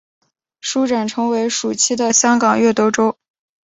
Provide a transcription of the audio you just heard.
书展成为暑期的香港阅读周。